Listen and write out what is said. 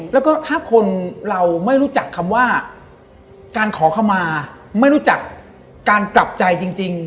แล้วก็ถ้าคนเราไม่รู้จักคำว่าการขอขมาไม่รู้จักการกลับใจจริง